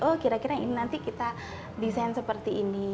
oh kira kira ini nanti kita desain seperti ini